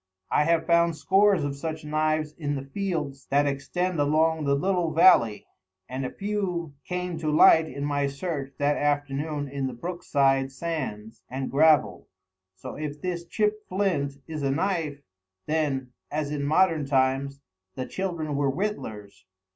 I have found scores of such knives in the fields that extend along the little valley, and a few came to light in my search that afternoon in the brook side sands and gravel. So, if this chipped flint is a knife, then, as in modern times, the children were whittlers.